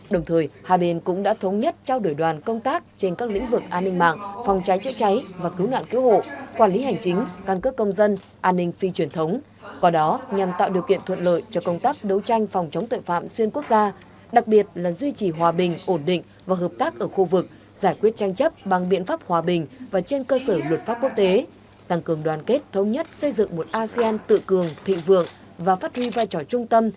đồng thời hai bên cũng đã thống nhất trao đổi đoàn công tác trên các lĩnh vực an ninh mạng phòng trái chữa cháy và cứu nạn cứu hộ quản lý hành chính căn cước công dân an ninh phi truyền thống và đó nhằm tạo điều kiện thuận lợi cho công tác đấu tranh phòng chống tội phạm xuyên quốc gia đặc biệt là duy trì hòa bình ổn định và hợp tác ở khu vực giải quyết tranh chấp bằng biện pháp hòa bình và trên cơ sở luật pháp quốc tế tăng cường đoàn kết thống nhất xây dựng một asean tự cường thị vượng và phát huy vai tr